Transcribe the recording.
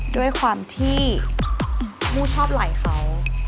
ด้วยความที่มู่ชอบไหลเขา